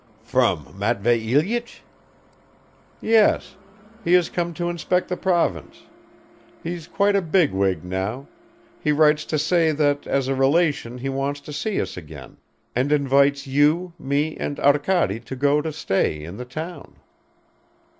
"From Matvei Ilyich?" "Yes. He has come to inspect the province. He's quite a bigwig now, he writes to say that as a relation he wants to see us again, and invites you, me and Arkady to go to stay in the town."